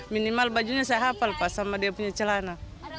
minimal bajunya saya hafal pak sama dia punya celana